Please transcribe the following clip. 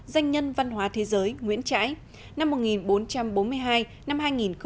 danh nhân văn hóa thế giới nguyễn trãi năm một nghìn bốn trăm bốn mươi hai năm hai nghìn một mươi chín